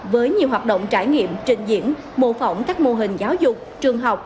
với nhiều hoạt động trải nghiệm trình diễn mô phỏng các mô hình giáo dục trường học